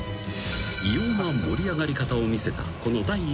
［異様な盛り上がり方を見せた］